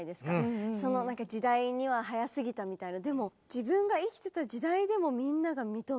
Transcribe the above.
そのなんか時代には早すぎたみたいな。